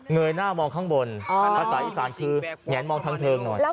งื่อยหน้ามองข้างบนแล้วใส่อีก๓คือแง่มองทางเทิงหน่อย